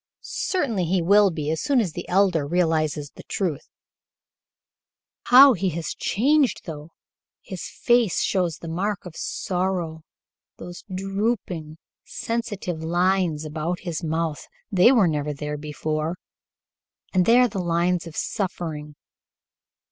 "Certainly he will be as soon as the Elder realizes the truth." "How he has changed, though! His face shows the mark of sorrow. Those drooping, sensitive lines about his mouth they were never there before, and they are the lines of suffering.